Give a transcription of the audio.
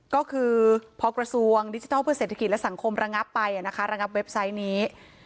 ก็คือพอกระทรวงดิจิทัลเพื่อเศรษฐกิจและสังคมระงับไประงับเว็บไซต์นี้